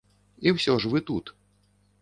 І ўсё ж вы тут.